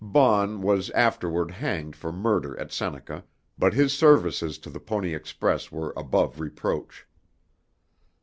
Baughn was afterward hanged for murder at Seneca, but his services to the Pony Express were above reproach.